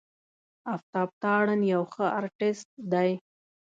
آفتاب تارڼ یو ښه آرټسټ دی.